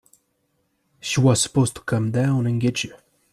She was supposed to come down and get you.